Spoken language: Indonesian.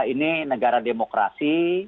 ini negara demokrasi